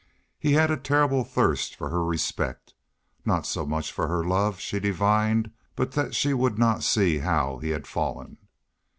He had a terrible thirst for her respect. Not so much for her love, she divined, but that she would not see how he had fallen!